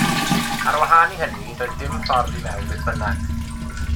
Ar wahân i hynny, doedd dim ffordd i fewn beth bynnag.